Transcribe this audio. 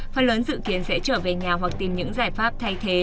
phần lớn dự kiến sẽ trở về nhà hoặc tìm những giải pháp thay thế